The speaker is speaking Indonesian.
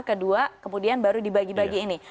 kedua kemudian baru dibagi bagi ini